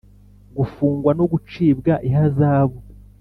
gufungwa no gucibwa ihazabu.